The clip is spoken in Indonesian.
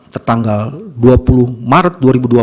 tertanggal dua puluh maret dua ribu dua puluh